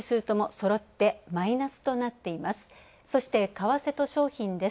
そして、為替と商品です。